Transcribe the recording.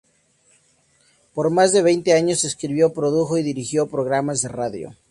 Por más de veinte años escribió, produjo y dirigió programas de radio.